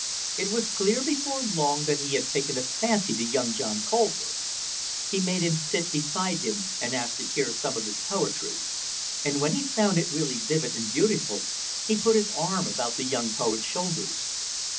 It was clear before long that he had taken a fancy to young John Colver. He made him sit beside him, and asked to hear some of his poetry, and when he found it really vivid and beautiful, he put his arm about the young poet's shoulders.